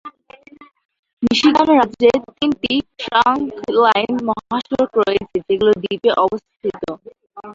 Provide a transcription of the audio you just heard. Michigan রাজ্যে তিনটি trunkline মহাসড়ক রয়েছে যেগুলো দ্বীপে অবস্থিত।